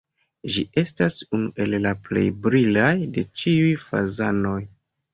Ĝi estas unu el la plej brilaj de ĉiuj fazanoj.